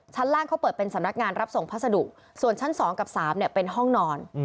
ชั้นล่างเขาเปิดเป็นสำนักงานรับส่งพัสดุส่วนชั้น๒กับ๓เนี่ยเป็นห้องนอน